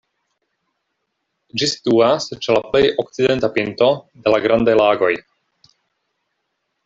Ĝi situas ĉe la plej okcidenta pinto de la Grandaj Lagoj.